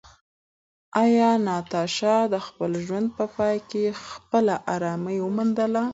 ایا ناتاشا د خپل ژوند په پای کې خپله ارامي وموندله؟